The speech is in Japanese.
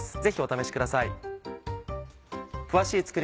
ぜひお試しください。